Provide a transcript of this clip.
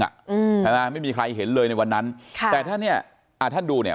ใช่ไหมไม่มีใครเห็นเลยในวันนั้นค่ะแต่ถ้าเนี่ยอ่าท่านดูเนี่ย